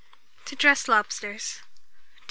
TO DRESS LOBSTERS. 276.